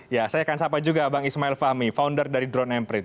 ya saya akan sapa juga bang ismail fahmi founder dari drone emprit